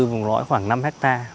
vùng lõi khoảng năm hectare